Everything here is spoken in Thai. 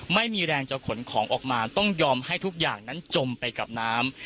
ไม่มีแรงจะขนของออกมาต้องยอมให้ทุกอย่างนั้นจมไปกับน้ำ